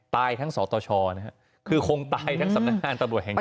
ตายทั้งสตชนะฮะคือคงตายทั้งสำนักงานตำรวจแห่งชาติ